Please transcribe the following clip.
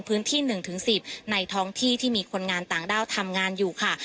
พื้นที่๑๑๐ในท้องที่ที่มีคนงานต่างด้าวทำงานอยู่ค่ะ